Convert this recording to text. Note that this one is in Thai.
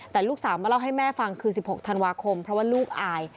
แต่ลูกสาวมาเล่าให้แม่ฟังคือ๑๖ธันวาคมเพราะว่าลูกอาย